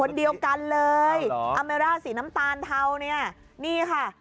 คนเดียวกันเลยอาเมร่าสีน้ำตาลเทาเนี่ยนี่ค่ะ